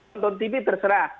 tonton tv terserah